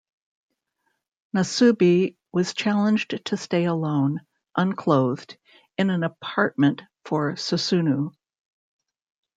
Nasubi was challenged to stay alone, unclothed, in an apartment for Susunu!